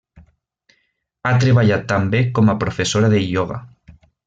Ha treballat també com professora de ioga.